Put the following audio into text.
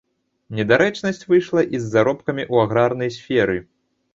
Недарэчнасць выйшла і з заробкамі ў аграрнай сферы.